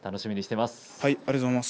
ありがとうございます。